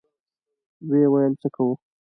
ويې ويل: څه کوو؟